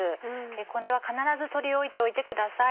これは必ず取り置いておいてください。